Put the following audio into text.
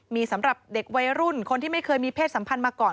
มีสำหรับเด็กวัยรุ่นคนที่ไม่เคยมีเพศสัมพันธ์มาก่อน